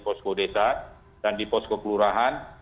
posko desa dan di posko kelurahan